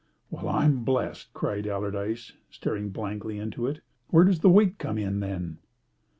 "Well, I'm blessed!" cried Allardyce, staring blankly into it. "Where does the weight come in, then?"